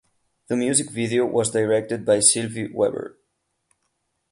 The music video was directed by Sylvie Weber.